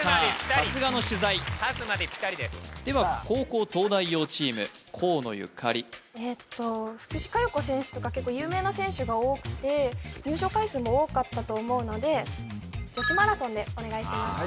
さすがの取材では後攻東大王チーム河野ゆかり福士加代子選手とか結構有名な選手が多くて入賞回数も多かったと思うので女子マラソンでお願いします